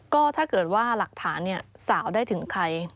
ก็ถ้าเกิดว่าหลักฐานสาวได้ถึงใคร